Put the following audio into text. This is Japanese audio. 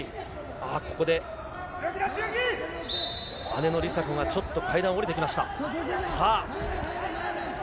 ここで姉の梨紗子がちょっと階段を下りてきました。